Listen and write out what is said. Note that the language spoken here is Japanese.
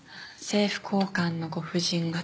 政府高官のご夫人方。